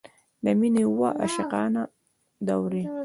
د مینې اوه عاشقانه دورې.